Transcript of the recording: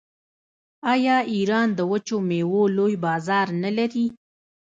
آیا ایران د وچو میوو لوی بازار نلري؟